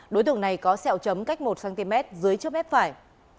đối tượng này có sẹo chấm cách một cm dưới trước mép phải